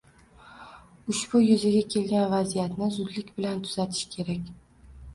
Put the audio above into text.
Ushbu yuzaga kelgan vaziyatni zudlik bilan tuzatish kerak.